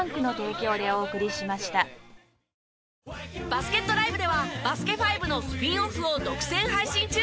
バスケットＬＩＶＥでは『バスケ☆ＦＩＶＥ』のスピンオフを独占配信中！